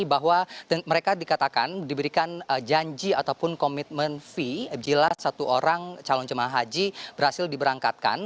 bahwa mereka dikatakan diberikan janji ataupun komitmen fee bila satu orang calon jemaah haji berhasil diberangkatkan